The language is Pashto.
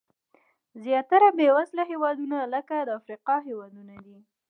زیاتره بېوزله هېوادونه لکه د افریقا هېوادونه دي.